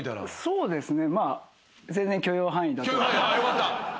そうですね。